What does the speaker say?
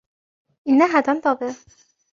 إنها تنتظر.